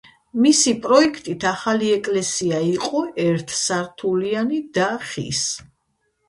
მისი პროექტით ახალი ეკლესია იყო ერთსართულიანი და ხის.